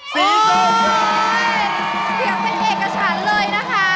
เสียงเป็นเอกฉันเลยนะคะ